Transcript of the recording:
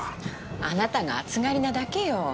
あなたが暑がりなだけよ。